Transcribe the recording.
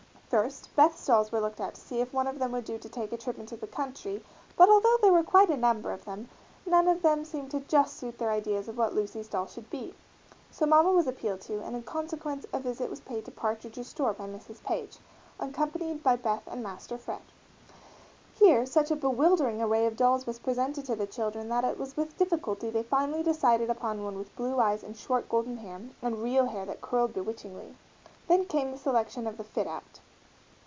First, Beth's dolls were looked at to see if one of them would do to take a trip into the country, but although there were quite a number of them none seemed to just suit their ideas of what Lucy's doll should be. So Mamma was appealed to and in consequence a visit was paid to Partridge's store by Mrs. Page, accompanied by Beth and Master Fred. Here such a bewildering array of dolls was presented to the children that it was with difficulty they finally decided upon one with blue eyes and short golden hair, and real hair that curled bewitchingly. Then came the selection of the "fit out."